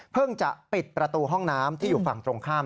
จะปิดประตูห้องน้ำที่อยู่ฝั่งตรงข้าม